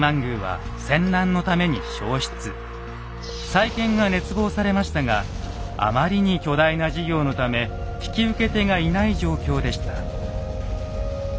再建が熱望されましたがあまりに巨大な事業のため引き受け手がいない状況でした。